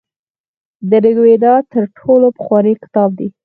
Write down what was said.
ریګویډا تر ټولو پخوانی کتاب دی.